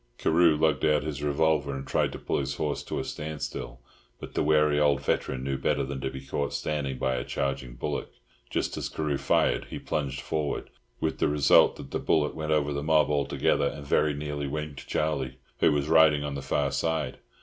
Carew lugged out his revolver, and tried to pull his horse to a standstill, but the wary old veteran knew better than to be caught standing by a charging bullock; just as Carew fired, he plunged forward, with the result that the bullet went over the mob altogether, and very nearly winged Charlie, who was riding on the far side.